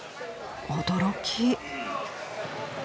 驚き。